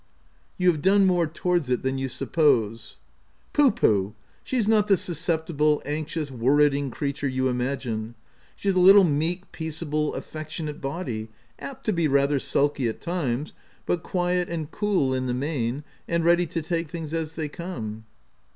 " You have done more towards it than you suppose." " Pooh, pooh ! she's not the susceptible, anxious, worriting creature you imagine : she's a little meek, peaceable, affectionate body ; apt to be rather sulky at times, but quiet and cool in the main, and ready to take things as they come.''